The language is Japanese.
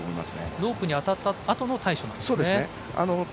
ロープに当たったあとの対処なんですね。